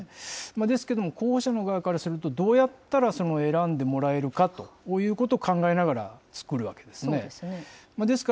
ですけれども、候補者の側からすると、どうやったら選んでもらえるかということを考えながら作るわけでそうですね。